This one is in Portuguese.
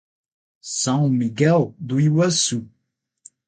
São Miguel do Iguaçu